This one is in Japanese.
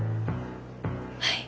はい。